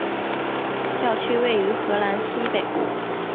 教区位于荷兰西北部。